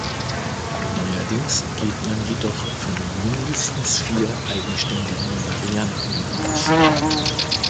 Neuerdings geht man jedoch von mindestens vier eigenständigen Varianten aus.